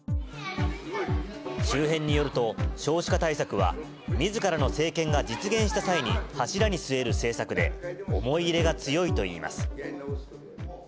周辺によると、少子化対策はみずからの政権が実現した際に、柱に据える政策で、思い入れが強いといいます。